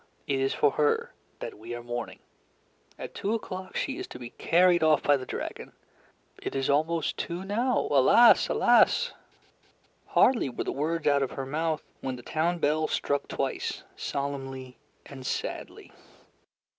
It is for her that we are mourning. At two o'clock she is to be carried off by the dragon. It is almost two now. Alas! Alas!" Hardly were the words out of her mouth, when the town bell struck twice, solemnly and sadly.